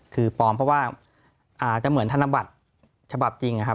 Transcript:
คือปลอมเพราะว่าอาจจะเหมือนธนบัตรฉบับจริงนะครับ